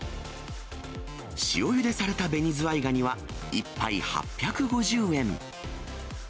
塩ゆでされたベニズワイガニは、１杯８５０円。